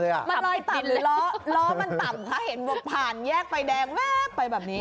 ร้อยต่ำร้อมันต่ำค่ะเห็นป่านแยกไปแดงแว๊บไปแบบนี้